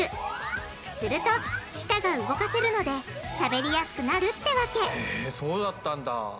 すると舌が動かせるのでしゃべりやすくなるってわけそうだったんだ。